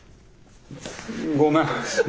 ごめん。